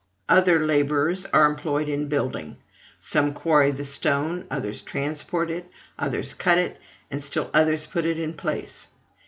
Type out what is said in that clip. "Other laborers are employed in building: some quarry the stone, others transport it, others cut it, and still others put it in place.